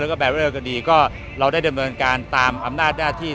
แล้วก็แบรเวอร์คดีก็เราได้ดำเนินการตามอำนาจหน้าที่